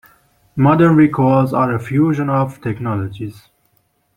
Modern vehicles are a fusion of technologies.